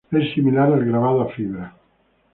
Es similar al grabado a fibra.